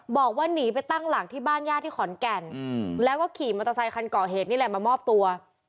บอกว่าหนีไปตั้งหลักที่บ้านญาติที่ขอนแก่นแล้วก็ขี่มอเตอร์ไซคันก่อเหตุนี่แหละมามอบตัว